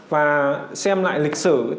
và xem lại lịch sử